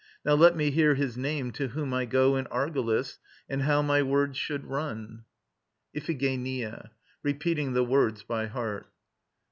Now let me hear his name to whom I go In Argolis, and how my words should run. IPHIGENIA (REPEATING THE WORDS BY HEART).